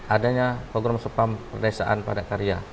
adanya program spam perdesaan pada karya